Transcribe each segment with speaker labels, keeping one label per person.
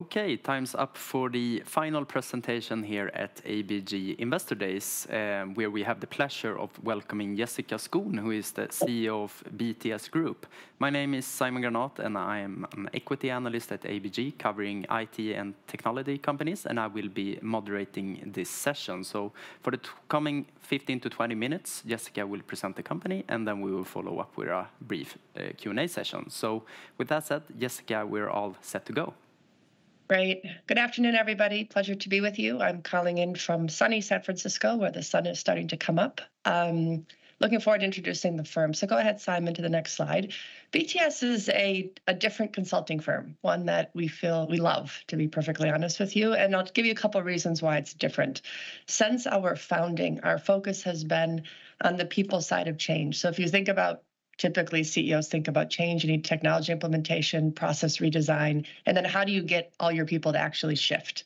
Speaker 1: Okay, time's up for the final presentation here at ABG Investor Days, where we have the pleasure of welcoming Jessica Skon, who is the CEO of BTS Group. My name is Simon Granath, and I am an equity analyst at ABG, covering IT and technology companies, and I will be moderating this session. So for the coming 15-20 minutes, Jessica will present the company, and then we will follow up with a brief Q&A session. So with that said, Jessica, we're all set to go.
Speaker 2: Great. Good afternoon, everybody. Pleasure to be with you. I'm calling in from sunny San Francisco, where the sun is starting to come up. Looking forward to introducing the firm. So go ahead, Simon, to the next slide. BTS is a different consulting firm, one that we feel we love, to be perfectly honest with you, and I'll give you a couple reasons why it's different. Since our founding, our focus has been on the people side of change. So if you think about typically CEOs think about change, you need technology implementation, process redesign, and then how do you get all your people to actually shift?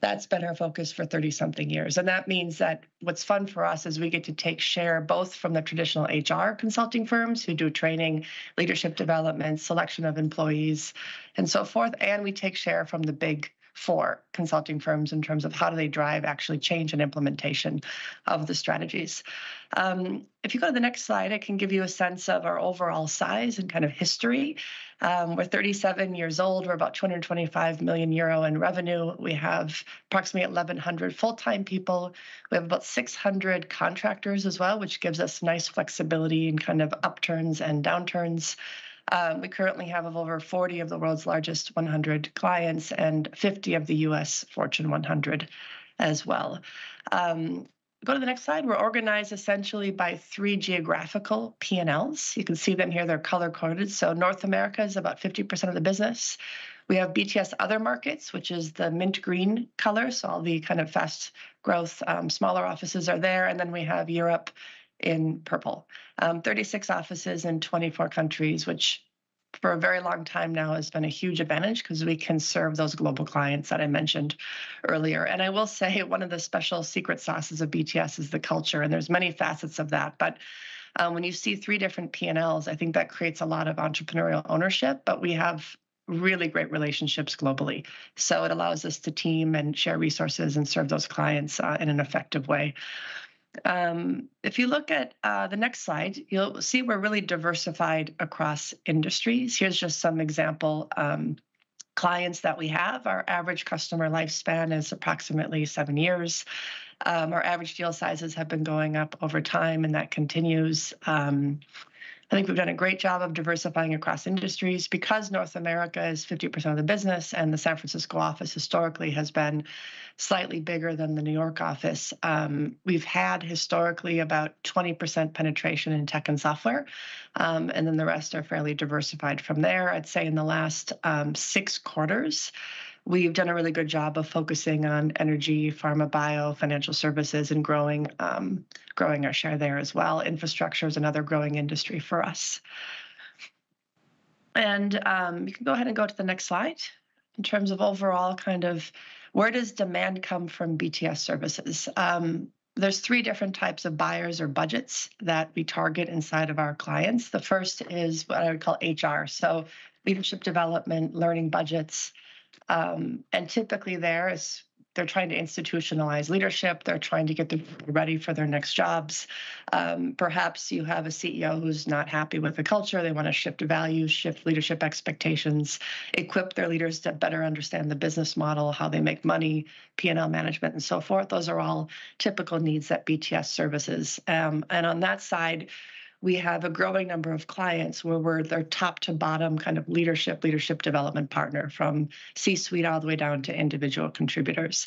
Speaker 2: That's been our focus for 30-something years, and that means that what's fun for us is we get to take share, both from the traditional HR consulting firms who do training, leadership development, selection of employees, and so forth, and we take share from the Big Four consulting firms in terms of how do they drive, actually change and implementation of the strategies. If you go to the next slide, it can give you a sense of our overall size and kind of history. We're 37 years old. We're about 225 million euro in revenue. We have approximately 1,100 full-time people. We have about 600 contractors as well, which gives us nice flexibility in kind of upturns and downturns. We currently have over 40 of the world's largest 100 clients and 50 of the US Fortune 100 as well. Go to the next slide. We're organized essentially by three geographical PNLs. You can see them here, they're color-coded. So North America is about 50% of the business. We have BTS Other Markets, which is the mint green color, so all the kind of fast growth, smaller offices are there, and then we have Europe in purple. 36 offices in 24 countries, which for a very long time now, has been a huge advantage because we can serve those global clients that I mentioned earlier. And I will say, one of the special secret sauces of BTS is the culture, and there's many facets of that. But, when you see three different PNLs, I think that creates a lot of entrepreneurial ownership, but we have really great relationships globally. So it allows us to team and share resources and serve those clients in an effective way. If you look at the next slide, you'll see we're really diversified across industries. Here's just some example clients that we have. Our average customer lifespan is approximately seven years. Our average deal sizes have been going up over time, and that continues. I think we've done a great job of diversifying across industries because North America is 50% of the business, and the San Francisco office historically has been slightly bigger than the New York office. We've had historically about 20% penetration in tech and software, and then the rest are fairly diversified from there. I'd say in the last 6 quarters, we've done a really good job of focusing on energy, pharma, bio, financial services, and growing our share there as well. Infrastructure is another growing industry for us. You can go ahead and go to the next slide. In terms of overall kind of where does demand come from BTS services? There's three different types of buyers or budgets that we target inside of our clients. The first is what I would call HR, so leadership development, learning budgets, and typically there is they're trying to institutionalize leadership. They're trying to get them ready for their next jobs. Perhaps you have a CEO who's not happy with the culture. They want to shift values, shift leadership expectations, equip their leaders to better understand the business model, how they make money, P&L management, and so forth. Those are all typical needs that BTS services. And on that side, we have a growing number of clients where we're their top to bottom kind of leadership, leadership development partner, from C-suite all the way down to individual contributors.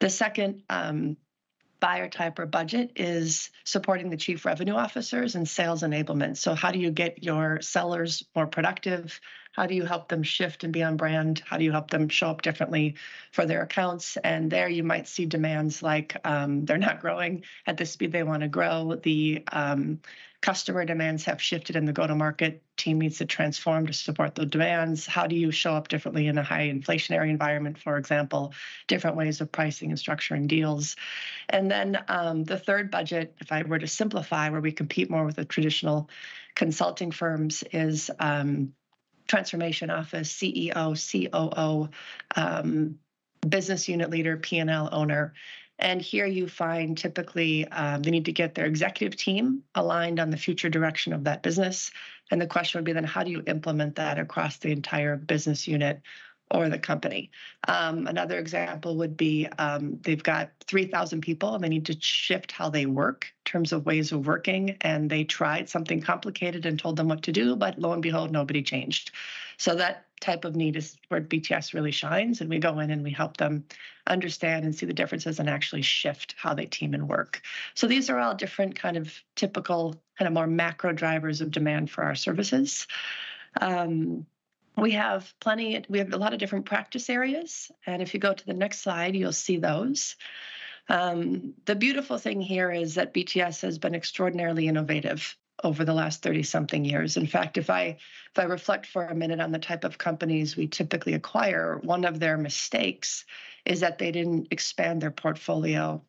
Speaker 2: The second, buyer type or budget is supporting the chief revenue officers and sales enablement. So how do you get your sellers more productive? How do you help them shift and be on brand? How do you help them show up differently for their accounts? And there you might see demands like, they're not growing at the speed they want to grow. Customer demands have shifted, and the go-to-market team needs to transform to support the demands. How do you show up differently in a high inflationary environment, for example, different ways of pricing and structuring deals? Then, the third budget, if I were to simplify, where we compete more with the traditional consulting firms, is transformation office, CEO, COO, business unit leader, P&L owner. Here you find typically they need to get their executive team aligned on the future direction of that business. And the question would be then: how do you implement that across the entire business unit or the company? Another example would be, they've got 3,000 people, and they need to shift how they work in terms of ways of working, and they tried something complicated and told them what to do, but lo and behold, nobody changed. So that type of need is where BTS really shines, and we go in and we help them understand and see the differences and actually shift how they team and work. So these are all different kind of typical, kind of more macro drivers of demand for our services. We have a lot of different practice areas, and if you go to the next slide, you'll see those. The beautiful thing here is that BTS has been extraordinarily innovative over the last 30-something years. In fact, if I, if I reflect for a minute on the type of companies we typically acquire, one of their mistakes is that they didn't expand their portfolio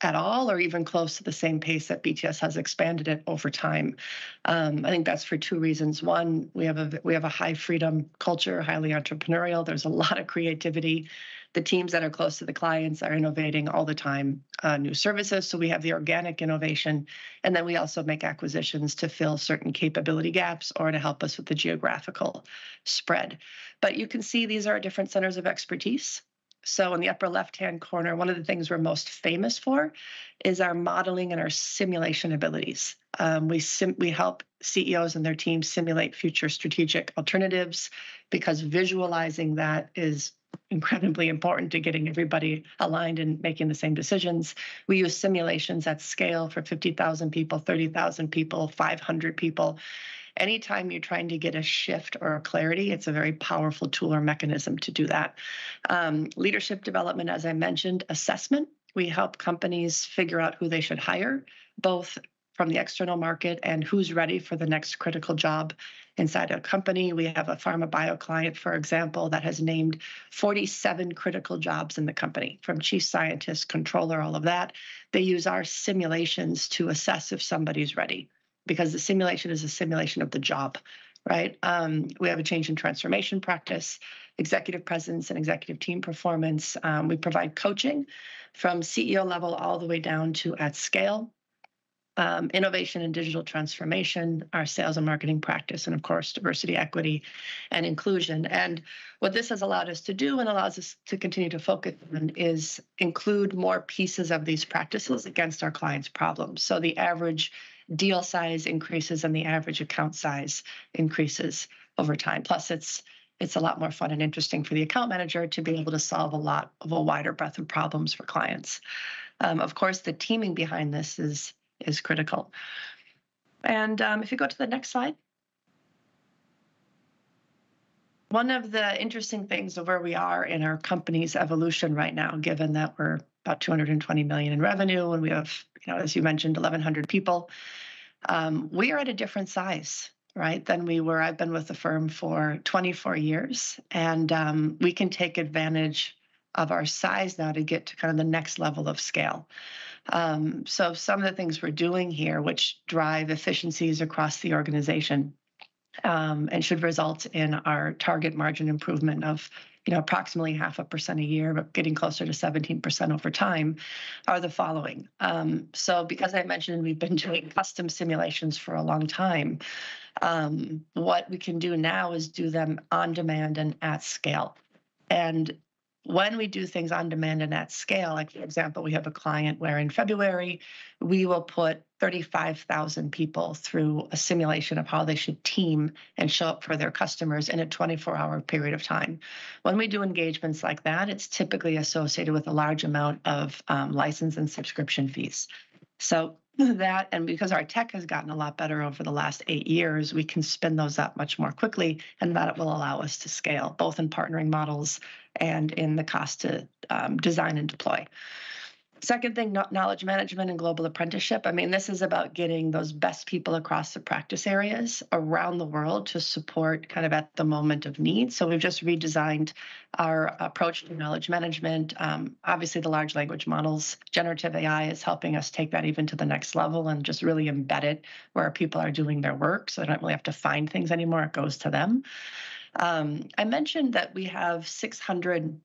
Speaker 2: at all, or even close to the same pace that BTS has expanded it over time. I think that's for two reasons: One, we have a high freedom culture, highly entrepreneurial. There's a lot of creativity. The teams that are close to the clients are innovating all the time, new services, so we have the organic innovation, and then we also make acquisitions to fill certain capability gaps or to help us with the geographical spread. But you can see these are different centers of expertise. So in the upper left-hand corner, one of the things we're most famous for is our modeling and our simulation abilities. We help CEOs and their teams simulate future strategic alternatives, because visualizing that is incredibly important to getting everybody aligned and making the same decisions. We use simulations at scale for 50,000 people, 30,000 people, 500 people. Anytime you're trying to get a shift or a clarity, it's a very powerful tool or mechanism to do that. Leadership development, as I mentioned, assessment, we help companies figure out who they should hire, both from the external market and who's ready for the next critical job inside a company. We have a pharma bio client, for example, that has named 47 critical jobs in the company, from chief scientist, controller, all of that. They use our simulations to assess if somebody's ready, because the simulation is a simulation of the job, right? We have a change in transformation practice, executive presence, and executive team performance. We provide coaching from CEO level all the way down to at scale, innovation and digital transformation, our sales and marketing practice, and of course, diversity, equity, and inclusion. And what this has allowed us to do and allows us to continue to focus on is include more pieces of these practices against our clients' problems. So the average deal size increases, and the average account size increases over time. Plus, it's a lot more fun and interesting for the account manager to be able to solve a lot of a wider breadth of problems for clients. Of course, the teaming behind this is critical. If you go to the next slide. One of the interesting things of where we are in our company's evolution right now, given that we're about 220 million in revenue, and we have, you know, as you mentioned, 1,100 people, we are at a different size, right, than we were. I've been with the firm for 24 years, and we can take advantage of our size now to get to kinda the next level of scale. So some of the things we're doing here, which drive efficiencies across the organization, and should result in our target margin improvement of, you know, approximately 0.5% a year, but getting closer to 17% over time, are the following. So because I mentioned we've been doing custom simulations for a long time, what we can do now is do them on demand and at scale. And when we do things on demand and at scale, like, for example, we have a client where in February, we will put 35,000 people through a simulation of how they should team and show up for their customers in a 24-hour period of time. When we do engagements like that, it's typically associated with a large amount of license and subscription fees. So that, and because our tech has gotten a lot better over the last 8 years, we can spin those up much more quickly, and that will allow us to scale, both in partnering models and in the cost to design and deploy. Second thing, knowledge management and global apprenticeship. I mean, this is about getting those best people across the practice areas around the world to support kind of at the moment of need. So we've just redesigned our approach to knowledge management. Obviously, the large language odels, Generative AI, is helping us take that even to the next level and just really embed it where people are doing their work, so they don't really have to find things anymore. It goes to them. I mentioned that we have 600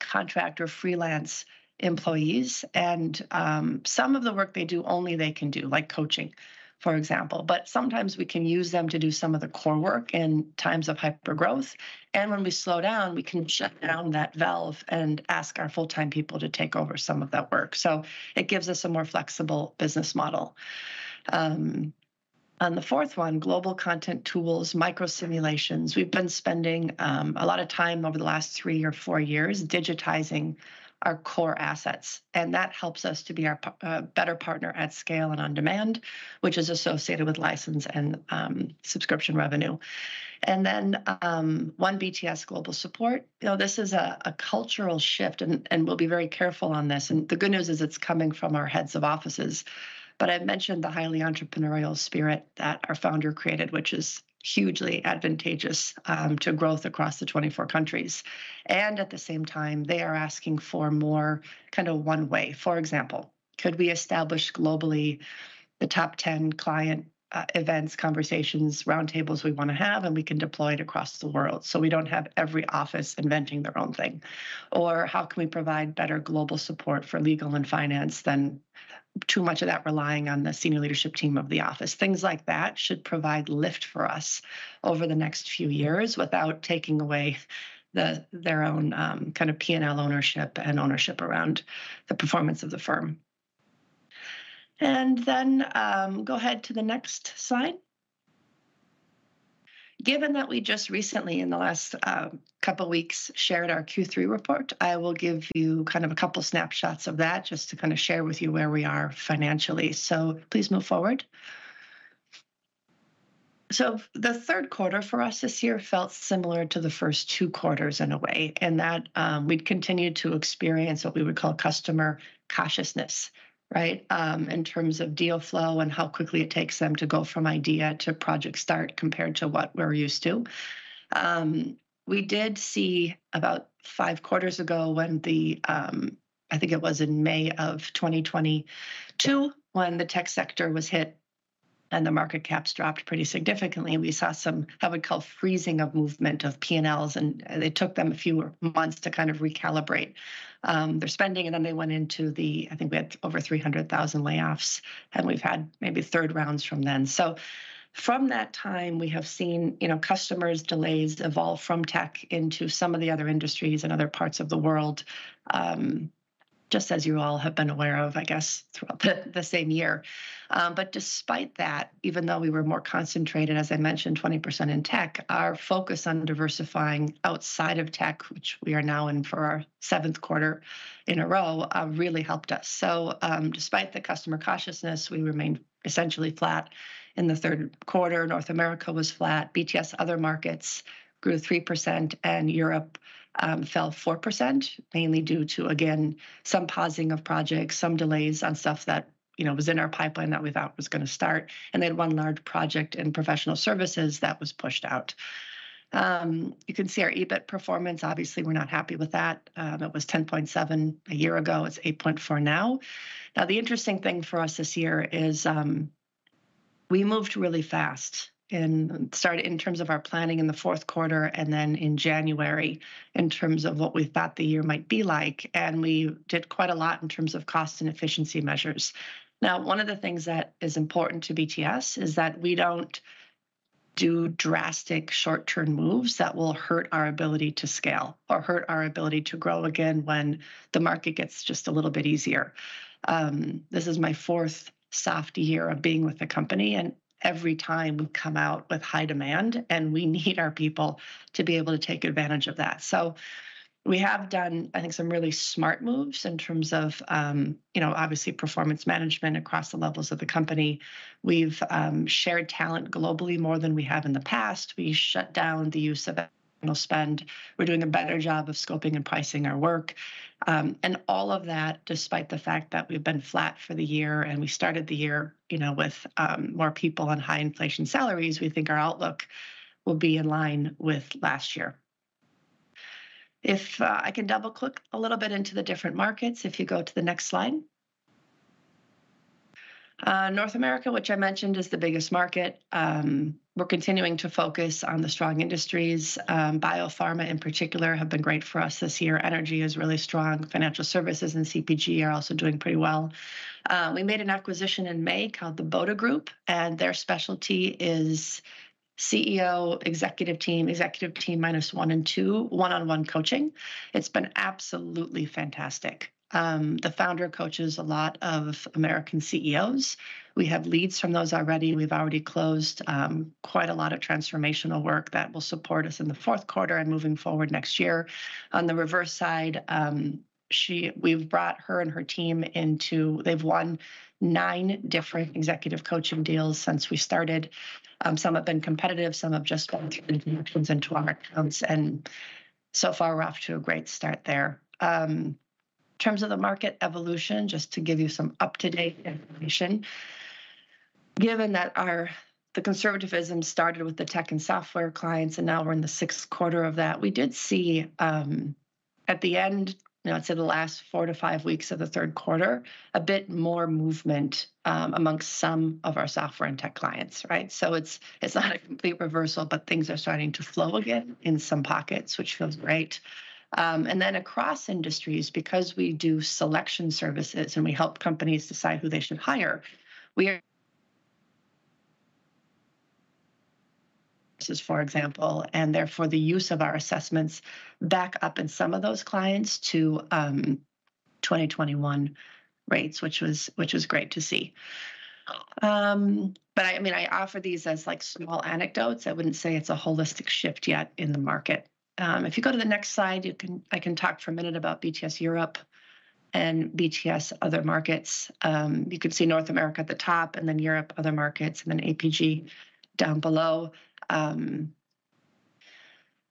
Speaker 2: contractor freelance employees, and some of the work they do, only they can do, like coaching, for example. But sometimes we can use them to do some of the core work in times of hypergrowth, and when we slow down, we can shut down that valve and ask our full-time people to take over some of that work. So it gives us a more flexible business model. And the fourth one, global content tools, micro simulations. We've been spending a lot of time over the last 3 or 4 years digitizing our core assets, and that helps us to be a better partner at scale and on demand, which is associated with license and subscription revenue. And then, One BTS global support. You know, this is a cultural shift, and we'll be very careful on this, and the good news is it's coming from our heads of offices. But I've mentioned the highly entrepreneurial spirit that our founder created, which is hugely advantageous to growth across the 24 countries. And at the same time, they are asking for more kind of one way. For example, could we establish globally the top ten client events, conversations, roundtables we wanna have, and we can deploy it across the world, so we don't have every office inventing their own thing? Or how can we provide better global support for legal and finance than too much of that relying on the senior leadership team of the office? Things like that should provide lift for us over the next few years without taking away the- their own, kind of P&L ownership and ownership around the performance of the firm. And then, go ahead to the next slide. Given that we just recently, in the last, couple weeks, shared our Q3 report, I will give you kind of a couple snapshots of that, just to kinda share with you where we are financially. Please move forward. The third quarter for us this year felt similar to the first two quarters in a way, in that, we'd continued to experience what we would call customer cautiousness, right? In terms of deal flow and how quickly it takes them to go from idea to project start, compared to what we're used to. We did see about five quarters ago when the, I think it was in May 2022, when the tech sector was hit and the market caps dropped pretty significantly, and we saw some, I would call, freezing of movement of P&Ls, and it took them a few months to kind of recalibrate their spending, and then they went into the, I think we had over 300,000 layoffs, and we've had maybe third rounds from then. So from that time, we have seen, you know, customers' delays evolve from tech into some of the other industries and other parts of the world, just as you all have been aware of, I guess, throughout the same year. But despite that, even though we were more concentrated, as I mentioned, 20% in tech, our focus on diversifying outside of tech, which we are now in for our seventh quarter in a row, really helped us. So, despite the customer cautiousness, we remained essentially flat in the third quarter. North America was flat. BTS Other Markets grew 3%, and Europe fell 4%, mainly due to, again, some pausing of projects, some delays on stuff that, you know, was in our pipeline that we thought was gonna start, and they had one large project in professional services that was pushed out. You can see our EBIT performance. Obviously, we're not happy with that. It was 10.7 a year ago. It's 8.4 now. Now, the interesting thing for us this year is, we moved really fast and started in terms of our planning in the fourth quarter and then in January, in terms of what we thought the year might be like, and we did quite a lot in terms of cost and efficiency measures. Now, one of the things that is important to BTS is that we don't do drastic short-term moves that will hurt our ability to scale or hurt our ability to grow again when the market gets just a little bit easier. This is my fourth soft year of being with the company, and every time we've come out with high demand, and we need our people to be able to take advantage of that. So we have done, I think, some really smart moves in terms of, you know, obviously, performance management across the levels of the company. We've shared talent globally more than we have in the past. We shut down the use of external spend. We're doing a better job of scoping and pricing our work. And all of that, despite the fact that we've been flat for the year and we started the year, you know, with, more people and high inflation salaries, we think our outlook will be in line with last year. If, I can double-click a little bit into the different markets, if you go to the next slide. North America, which I mentioned, is the biggest market. We're continuing to focus on the strong industries. Biopharma, in particular, have been great for us this year. Energy is really strong. Financial services and CPG are also doing pretty well. We made an acquisition in May called The Boda Group, and their specialty is CEO executive team, executive team minus one and two, one-on-one coaching. It's been absolutely fantastic. The founder coaches a lot of American CEOs. We have leads from those already. We've already closed quite a lot of transformational work that will support us in the fourth quarter and moving forward next year. On the reverse side, we've brought her and her team into... They've won nine different executive coaching deals since we started. Some have been competitive, some have just gone through into our accounts, and so far, we're off to a great start there. In terms of the market evolution, just to give you some up-to-date information, given that the conservatism started with the tech and software clients, and now we're in the sixth quarter of that, we did see, at the end, you know, I'd say the last four to five weeks of the third quarter, a bit more movement amongst some of our software and tech clients, right? So it's not a complete reversal, but things are starting to flow again in some pockets, which feels great. And then across industries, because we do selection services, and we help companies decide who they should hire, we are. This is, for example, and therefore the use of our assessments back up in some of those clients to 2021 rates, which was great to see. But I mean, I offer these as like small anecdotes. I wouldn't say it's a holistic shift yet in the market. If you go to the next slide, you can, I can talk for a minute about BTS Europe and BTS Other Markets. You can see North America at the top and then Europe, Other Markets, and then APJ down below.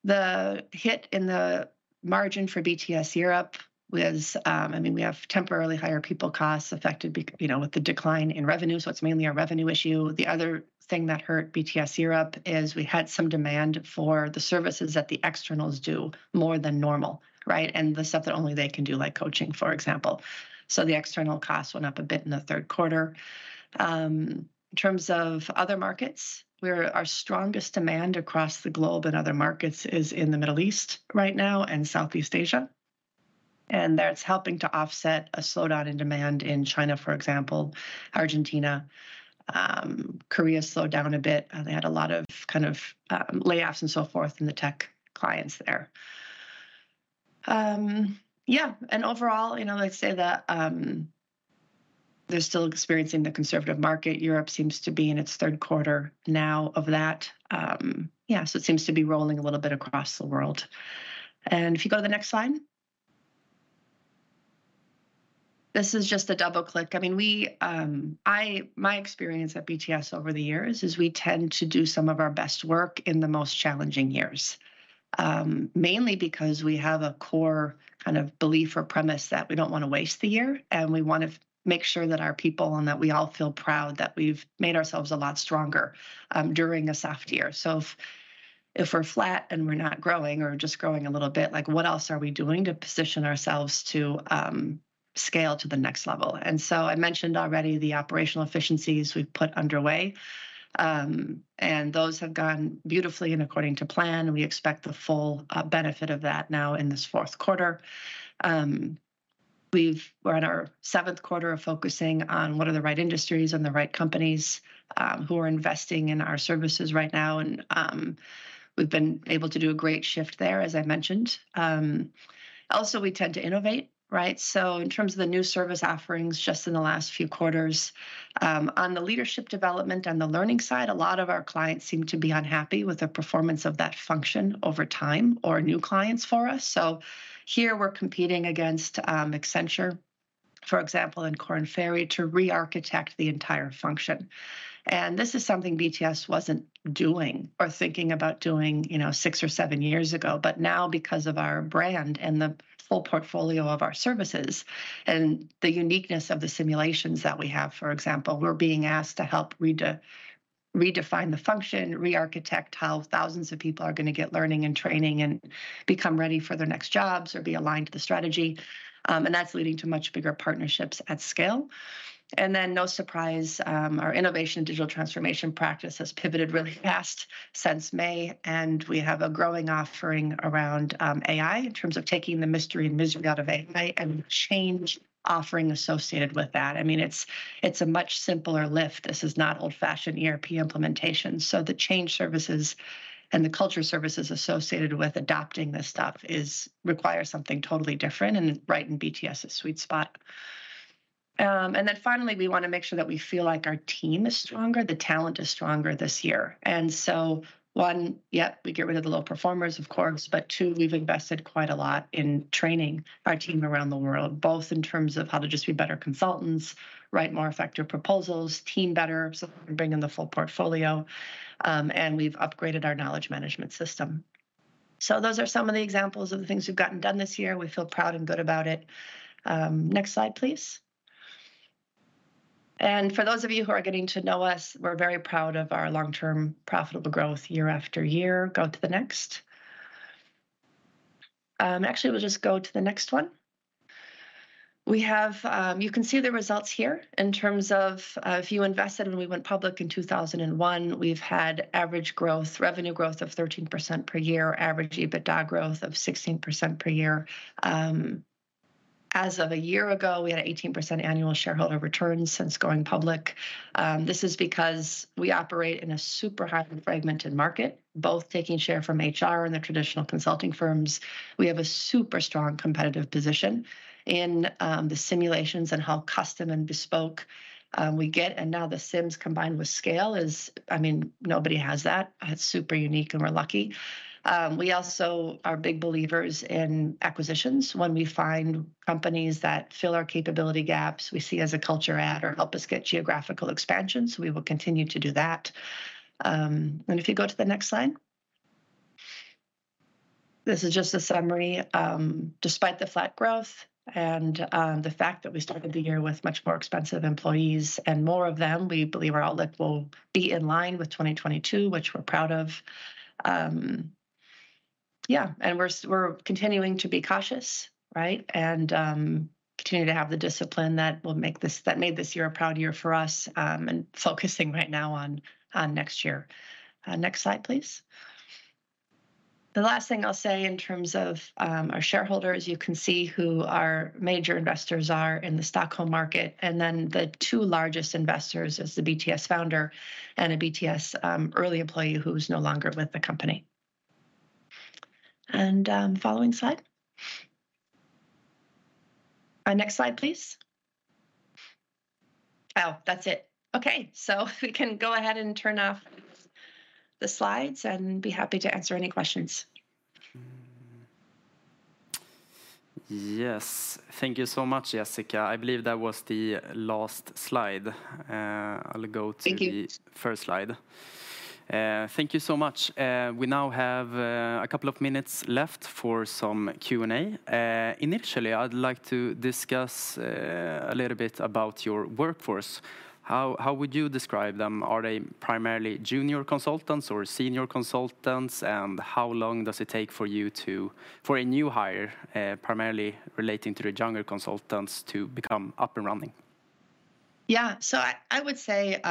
Speaker 2: The hit in the margin for BTS Europe was, I mean, we have temporarily higher people costs affected by, you know, with the decline in revenue, so it's mainly a revenue issue. The other thing that hurt BTS Europe is we had some demand for the services that the externals do more than normal, right? And the stuff that only they can do, like coaching, for example. So the external costs went up a bit in the third quarter. In terms of other markets, our strongest demand across the globe and other markets is in the Middle East right now and Southeast Asia, and that's helping to offset a slowdown in demand in China, for example, Argentina. Korea slowed down a bit. They had a lot of, layoffs and so forth in the tech clients there. Yeah, and overall, you know, I'd say that they're still experiencing the conservative market. Europe seems to be in its third quarter now of that. Yeah, so it seems to be rolling a little bit across the world. If you go to the next slide. This is just a double-click. I mean, we, I, my experience at BTS over the years is we tend to do some of our best work in the most challenging years, mainly because we have a core kind of belief or premise that we don't wanna waste the year, and we want to make sure that our people and that we all feel proud that we've made ourselves a lot stronger, during a soft year. So if we're flat and we're not growing or just growing a little bit, like, what else are we doing to position ourselves to scale to the next level? And so I mentioned already the operational efficiencies we've put underway. And those have gone beautifully and according to plan. We expect the full benefit of that now in this fourth quarter. We're in our seventh quarter of focusing on what are the right industries and the right companies who are investing in our services right now, and we've been able to do a great shift there, as I mentioned. Also, we tend to innovate, right? So in terms of the new service offerings just in the last few quarters, on the leadership development and the learning side, a lot of our clients seem to be unhappy with the performance of that function over time, or new clients for us. So here we're competing against Accenture, for example, and Korn Ferry, to rearchitect the entire function. And this is something BTS wasn't doing or thinking about doing, you know, six or seven years ago. But now, because of our brand and the full portfolio of our services and the uniqueness of the simulations that we have, for example, we're being asked to help redefine the function, rearchitect how thousands of people are gonna get learning and training and become ready for their next jobs or be aligned to the strategy. That's leading to much bigger partnerships at scale. Then, no surprise, our innovation and digital transformation practice has pivoted really fast since May, and we have a growing offering around AI in terms of taking the mystery and misery out of AI and change offering associated with that. I mean, it's, it's a much simpler lift. This is not old-fashioned ERP implementation. So the change services and the culture services associated with adopting this stuff is require something totally different, and it's right in BTS' sweet spot. And then finally, we wanna make sure that we feel like our team is stronger, the talent is stronger this year. And so, one, yep, we get rid of the low performers, of course, but two, we've invested quite a lot in training our team around the world, both in terms of how to just be better consultants, write more effective proposals, team better, so bring in the full portfolio, and we've upgraded our knowledge management system. So those are some of the examples of the things we've gotten done this year. We feel proud and good about it. Next slide, please. And for those of you who are getting to know us, we're very proud of our long-term profitable growth year after year. Go to the next. Actually, we'll just go to the next one. We have... You can see the results here in terms of if you invested when we went public in 2001, we've had average growth, revenue growth of 13% per year, average EBITDA growth of 16% per year. As of a year ago, we had an 18% annual shareholder return since going public. This is because we operate in a super high and fragmented market, both taking share from HR and the traditional consulting firms. We have a super strong competitive position in the simulations and how custom and bespoke we get, and now the sims combined with scale is-- I mean, nobody has that. It's super unique, and we're lucky. We also are big believers in acquisitions. When we find companies that fill our capability gaps, we see as a culture add or help us get geographical expansion, so we will continue to do that. And if you go to the next slide. This is just a summary. Despite the flat growth and the fact that we started the year with much more expensive employees and more of them, we believe our outlook will be in line with 2022, which we're proud of. Yeah, and we're continuing to be cautious, right? And continue to have the discipline that made this year a proud year for us, and focusing right now on next year. Next slide, please. The last thing I'll say in terms of our shareholders, you can see who our major investors are in the Stockholm market, and then the two largest investors is the BTS founder and a BTS early employee who's no longer with the company. And, following slide. Next slide, please. Oh, that's it. Okay, so we can go ahead and turn off the slides, and be happy to answer any questions.
Speaker 1: Yes. Thank you so much, Jessica. I believe that was the last slide. I'll go to-
Speaker 2: Thank you...
Speaker 1: the first slide. Thank you so much. We now have a couple of minutes left for some Q&A. Initially, I'd like to discuss a little bit about your workforce. How would you describe them? Are they primarily junior consultants or senior consultants? And how long does it take for a new hire, primarily relating to the younger consultants, to become up and running?
Speaker 2: Yeah. So I, I would say,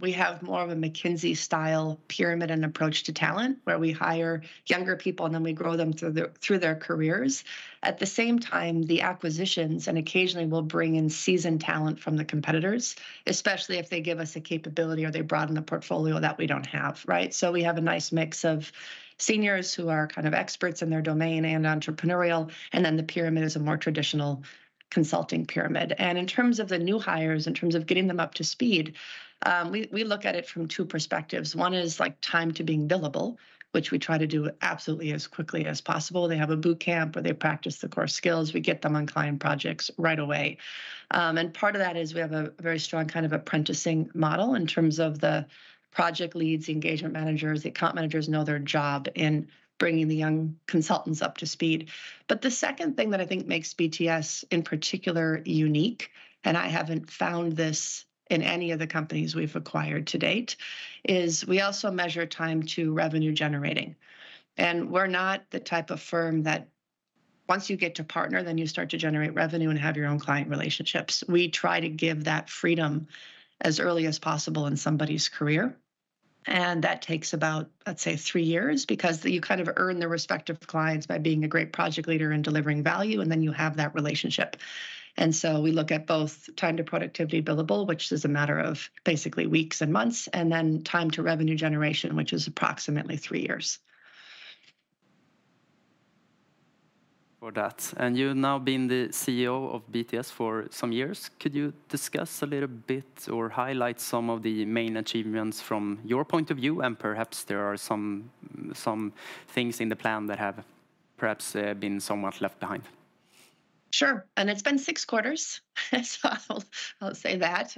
Speaker 2: we have more of a McKinsey-style pyramid and approach to talent, where we hire younger people, and then we grow them through their, through their careers. At the same time, the acquisitions, and occasionally we'll bring in seasoned talent from the competitors, especially if they give us a capability or they broaden the portfolio that we don't have, right? So we have a nice mix of seniors who are kind of experts in their domain and entrepreneurial, and then the pyramid is a more traditional consulting pyramid. And in terms of the new hires, in terms of getting them up to speed, we, we look at it from two perspectives. One is, like, time to being billable, which we try to do absolutely as quickly as possible. They have a boot camp where they practice the core skills. We get them on client projects right away. And part of that is we have a very strong kind of apprenticing model in terms of the project leads, engagement managers. Account managers know their job in bringing the young consultants up to speed. But the second thing that I think makes BTS, in particular, unique, and I haven't found this in any of the companies we've acquired to date, is we also measure time to revenue generating. And we're not the type of firm that once you get to partner, then you start to generate revenue and have your own client relationships. We try to give that freedom as early as possible in somebody's career, and that takes about, let's say, three years, because you kind of earn the respect of the clients by being a great project leader and delivering value, and then you have that relationship. We look at both time to productivity billable, which is a matter of basically weeks and months, and then time to revenue generation, which is approximately 3 years.
Speaker 1: For that. You've now been the CEO of BTS for some years. Could you discuss a little bit or highlight some of the main achievements from your point of view? And perhaps there are some, some things in the plan that have perhaps been somewhat left behind.
Speaker 2: Sure. And it's been 6 quarters, so I'll say that.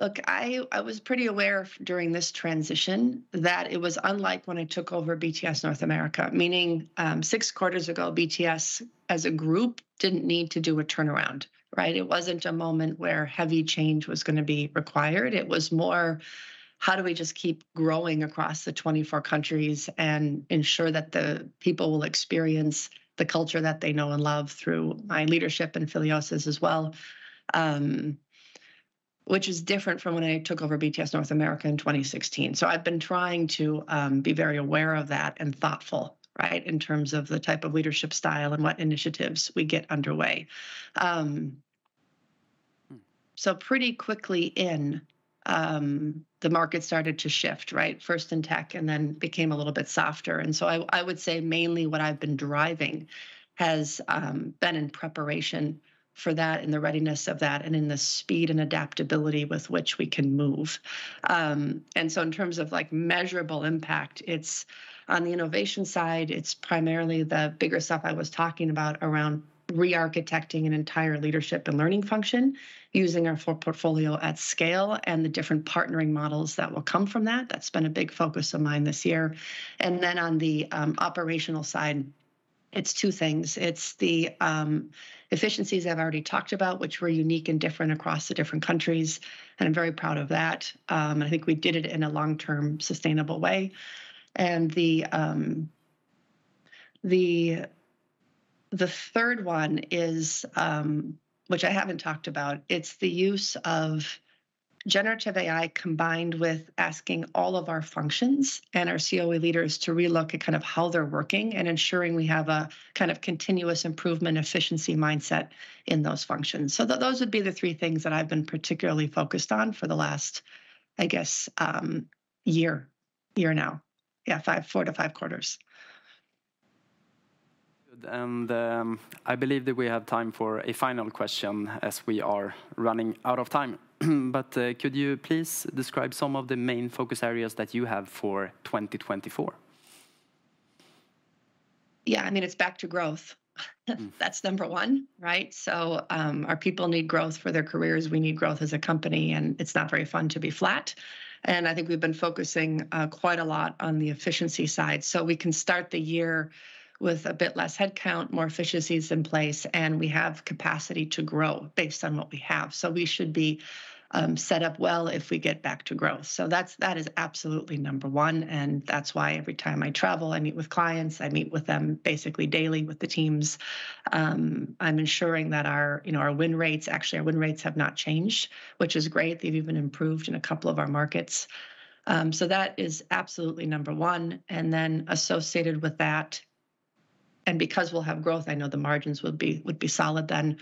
Speaker 2: Look, I was pretty aware during this transition that it was unlike when I took over BTS North America, meaning, 6 quarters ago, BTS, as a group, didn't need to do a turnaround, right? It wasn't a moment where heavy change was gonna be required. It was more, how do we just keep growing across the 24 countries and ensure that the people will experience the culture that they know and love through my leadership and Philios as well, which is different from when I took over BTS North America in 2016. So I've been trying to be very aware of that and thoughtful, right, in terms of the type of leadership style and what initiatives we get underway.
Speaker 1: Mm.
Speaker 2: So pretty quickly in, the market started to shift, right? First in tech, and then became a little bit softer, and so I would say mainly what I've been driving has been in preparation for that, in the readiness of that, and in the speed and adaptability with which we can move. And so in terms of like measurable impact, it's on the innovation side, it's primarily the bigger stuff I was talking about around re-architecting an entire leadership and learning function, using our full portfolio at scale, and the different partnering models that will come from that. That's been a big focus of mine this year. And then on the operational side, it's two things: It's the efficiencies I've already talked about, which were unique and different across the different countries, and I'm very proud of that. I think we did it in a long-term, sustainable way. And the third one is, which I haven't talked about, it's the use of Generative AI combined with asking all of our functions and our COE leaders to relook at kind of how they're working, and ensuring we have a kind of continuous improvement, efficiency mindset in those functions. So those would be the three things that I've been particularly focused on for the last, I guess, year now. Yeah, four to five quarters.
Speaker 1: Good, and, I believe that we have time for a final question as we are running out of time. But, could you please describe some of the main focus areas that you have for 2024?
Speaker 2: Yeah, I mean, it's back to growth.
Speaker 1: Mm.
Speaker 2: That's number one, right? So, our people need growth for their careers, we need growth as a company, and it's not very fun to be flat, and I think we've been focusing quite a lot on the efficiency side. So we can start the year with a bit less headcount, more efficiencies in place, and we have capacity to grow based on what we have. So we should be set up well if we get back to growth. So that's, that is absolutely number one, and that's why every time I travel, I meet with clients, I meet with them basically daily with the teams. I'm ensuring that our, you know, our win rates, actually, our win rates have not changed, which is great. They've even improved in a couple of our markets. So that is absolutely number 1, and then associated with that, and because we'll have growth, I know the margins would be, would be solid then.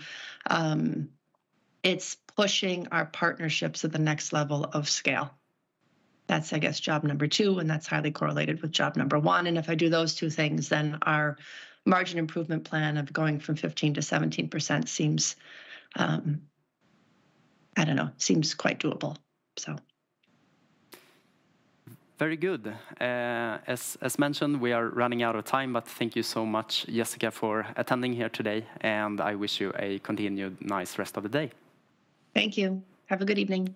Speaker 2: It's pushing our partnerships to the next level of scale. That's, I guess, job number 2, and that's highly correlated with job number 1, and if I do those two things, then our margin improvement plan of going from 15%-17% seems, I don't know, seems quite doable, so.
Speaker 1: Very good. As mentioned, we are running out of time, but thank you so much, Jessica, for attending here today, and I wish you a continued nice rest of the day.
Speaker 2: Thank you. Have a good evening.